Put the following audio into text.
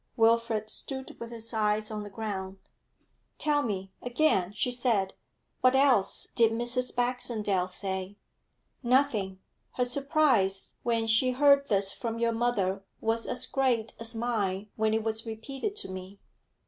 Wilfrid stood with his eyes on the ground. 'Tell me, again,' she said. 'What else did Mrs. Baxendale say?' 'Nothing. Her surprise when she heard this from your mother was as great as mine when it was repeated to me.'